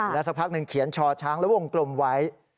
สักพักหนึ่งเขียนชอช้างและวงกลมไว้